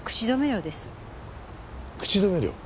口止め料？